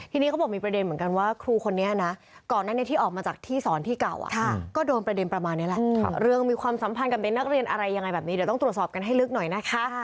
ทีนี้ก็บอกมีประเด็นเหมือนกันว่าครูคนนี้นะ